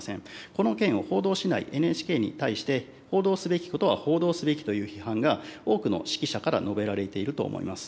この件を報道しないＮＨＫに対して、報道すべきことは報道すべきという批判が、多くの識者から述べられていると思います。